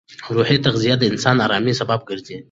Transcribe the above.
روحي تغذیه د انسان ارامۍ سبب ګرځي.